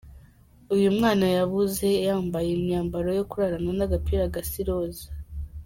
Uyu mwana yabuze yambaye imyambaro yo kurarana n’agapira gasa iroza.